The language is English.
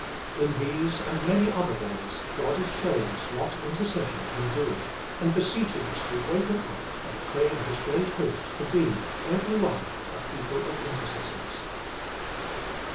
In these and many other ways God is showing us what intercession can do, and beseeching us to waken up and train His great host to be, every one, a people of intercessors.